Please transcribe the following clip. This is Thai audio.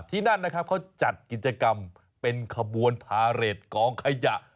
ที่นั่นเขาจัดกิจกรรมเป็นคบวนพาเรทกองไข่จักร